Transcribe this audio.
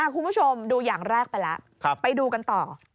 คุณผู้ชมดูอย่างแรกไปแล้วไปดูกันต่อ